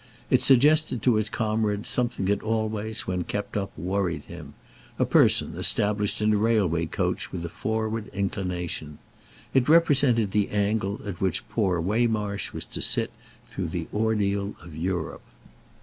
It suggested to his comrade something that always, when kept up, worried him—a person established in a railway coach with a forward inclination. It represented the angle at which poor Waymarsh was to sit through the ordeal of Europe.